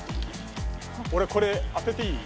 俺これ当てていい？